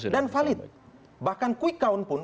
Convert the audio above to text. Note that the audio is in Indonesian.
dan valid bahkan quick count pun